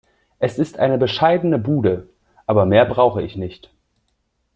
Es ist eine bescheidene Bude, aber mehr brauche ich nicht.